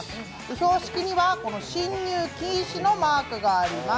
標識にはこの進入禁止のマークがあります。